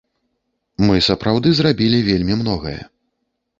Мы сапраўды зрабілі вельмі многае.